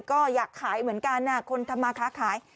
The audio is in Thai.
ก็อยากขายเหมือนกันคนทำมาค้าขาย